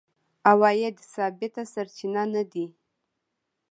عوایده ثابت سرچینه نه دي.